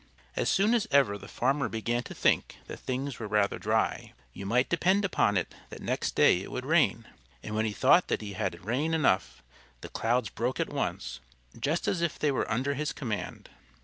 As soon as ever the farmer began to think that things were rather dry, you might depend upon it that next day it would rain. And when he thought that he had had rain enough, the clouds broke at once, just as if they were under his command.